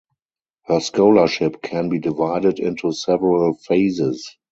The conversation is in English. Her scholarship can be divided into several phases.